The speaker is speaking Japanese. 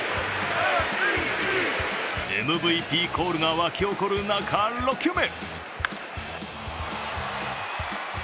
ＭＶＰコールが沸き起こる中、６球目。